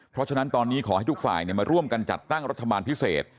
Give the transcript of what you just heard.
เพราะฉะนั้นตอนนี้ขอให้ทุกฝ่ายมาร่วมกันจัดตั้งรัฐบาลพิเศษ